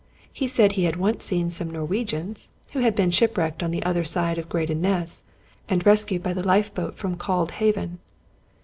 He said he had once seen some Norwegians, who had been shipwrecked on the other side of Graden Ness and rescued by the lifeboat from Cauld haven.